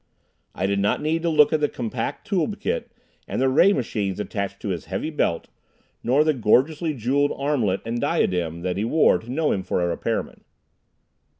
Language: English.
I did not need to look at the compact tool kit and the ray machines attached to his heavy belt, nor the gorgeously jewelled armlet and diadem that he wore to know him for a repair man.